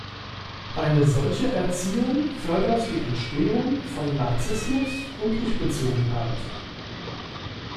Eine solche Erziehung fördert die Entstehung von Narzissmus und Ichbezogenheit.